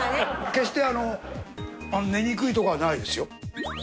決してあの寝にくいとかはないですよ。